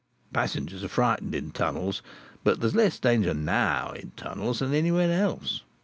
Passengers are frightened in tunnels, but there's less danger, now, in tunnels than anywhere else.